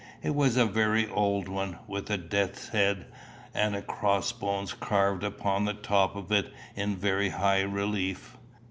It was a very old one, with a death's head and cross bones carved upon the top of it in very high relief.